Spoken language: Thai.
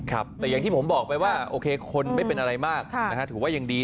ครับแต่อย่างที่ผมบอกไปว่าโอเคคนไม่เป็นอะไรมากถือว่ายังดี